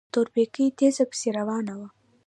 تورپيکۍ تېزه پسې روانه وه.